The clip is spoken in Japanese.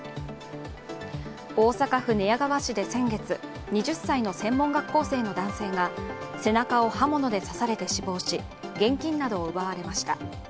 大阪府寝屋川市で先月２０歳の専門学校生の男性が背中を刃物で刺されて死亡し、現金などを奪われました。